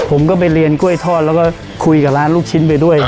ผมก็ไปเรียนกล้วยทอดแล้วก็คุยกับร้านลูกชิ้นไปด้วย